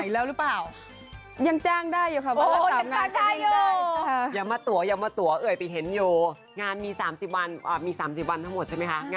รุ่งเดือนมี๓๐วัน